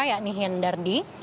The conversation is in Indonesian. yakni hian dardi